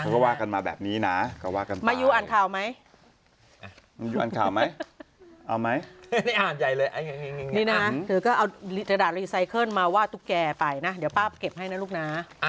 ก็ว่ากันมาแบบนี้นะมายูอันข่าวไหมนี่อ่านใหญ่เลยนี่นะเธอก็เอาตระดาษรีไซเคิลมาว่าทุกแก่ไปนะเดี๋ยวป้าเก็บให้นะลูกนะ